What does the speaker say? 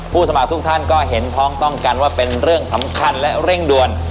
สมัครทุกท่านก็เห็นพ้องต้องกันว่าเป็นเรื่องสำคัญและเร่งด่วน